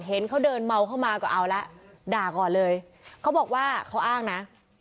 เห็นเขาเดินเมาเข้ามาก็เอาละด่าก่อนเลยเขาบอกว่าเขาอ้างนะ